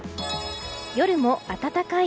夜も暖かい。